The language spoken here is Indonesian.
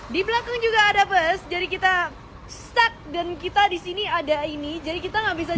di belakang juga ada bus jadi kita stuck dan kita disini ada ini jadi kita nggak bisa